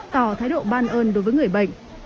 tỏ thái độ ban ơn đối với người bệnh